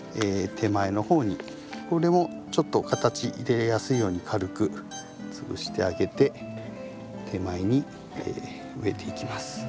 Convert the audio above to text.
これもちょっと形入れやすいように軽く潰してあげて手前に植えていきます。